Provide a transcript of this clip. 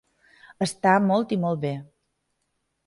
Està molt i molt bé.